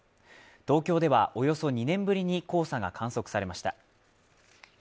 東京では、およそ２年ぶりに黄砂が観測されました。